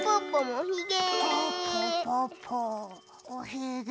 おひげ！